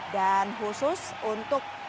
dan khusus untuk